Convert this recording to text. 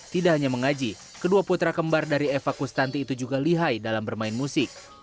tidak hanya mengaji kedua putra kembar dari eva kustanti itu juga lihai dalam bermain musik